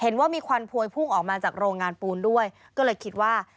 เห็นว่ามีควันพวยพุ่งออกมาจากโรงงานปูนด้วยก็เลยคิดว่า